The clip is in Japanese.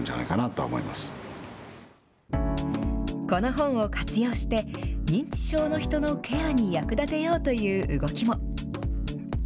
この本を活用して、認知症の人のケアに役立てようという動きも。